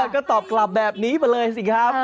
ก็ตอบกลับแบบนี้ไปเลยสิครับ